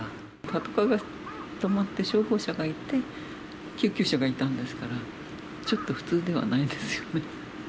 パトカーが止まって消防車がいて、救急車がいたんですから、ちょっと普通ではないんですよね。